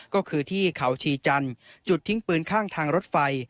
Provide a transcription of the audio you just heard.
ก็คือที่เขาชีจันทร์จุดทิ้งปืนข้างทางรถไฟ